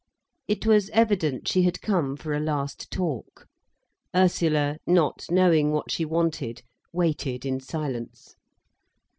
It was evident she had come for a last talk. Ursula, not knowing what she wanted, waited in silence.